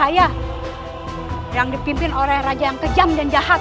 yang di pimpin orang raja yang kejam dan jahat